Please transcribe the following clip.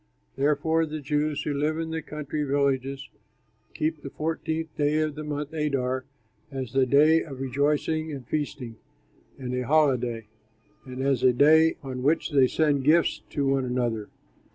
Therefore the Jews who live in the country villages keep the fourteenth day of the month Adar as a day of rejoicing and feasting and a holiday, and as a day on which they send gifts to one another.